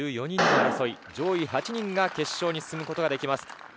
１４人の争い、上位８人が決勝に進むことができます。